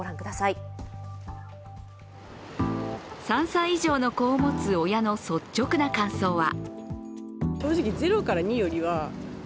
３歳以上の子を持つ親の率直な感想は？